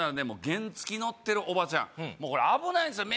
原付き乗ってるおばちゃん危ないんですよ